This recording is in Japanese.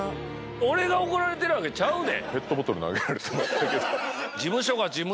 俺が怒られてるわけちゃうで。